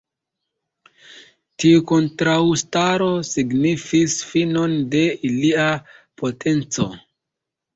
Tiu kontraŭstaro signifis finon de ilia potenco.